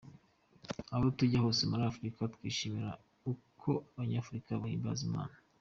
Aho tujya hose muri Afurika twishimira uko abanyafurika bahimbaza Imana.